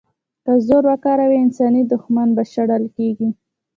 که زور وکاروي، انساني دوښمن به شړل کېږي.